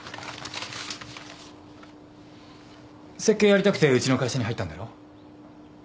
設計やりたくてうちの会社に入ったんだろ？